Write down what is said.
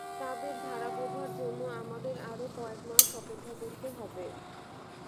তাদের ধারা বোঝার জন্য আমাদের আরও কয়েক মাস অপেক্ষা করতে হবে।